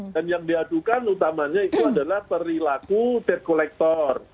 dan yang diadukan utamanya itu adalah perilaku debt collector